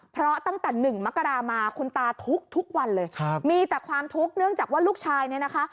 เพราะตั้งแต่๑มกรามาคุณตาทุกข์ทุกวันเลยครับมีแต่ความทุกข์เนื่องจากว่าลูกชายเนี่ยนะคะ